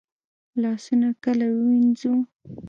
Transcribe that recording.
لاسونه کله ووینځو؟